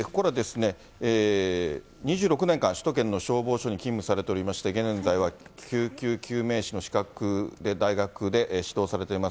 ２６年間、首都圏の消防署に勤務されておりまして、現在は救急救命士の資格で大学で指導されています